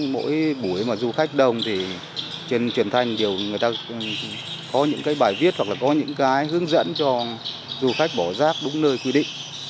mỗi buổi mà du khách đông thì trên truyền thanh đều người ta có những cái bài viết hoặc là có những cái hướng dẫn cho du khách bỏ rác đúng nơi quy định